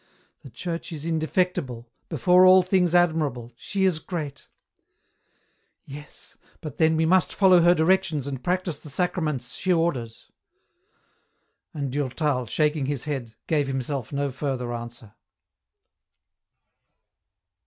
The Church is indefectible, before all things admirable, she is great —" Yes, but then we must follow her directions and practise the sacraments she orders !" And Durtal, shaking his head, gave himself no further answer.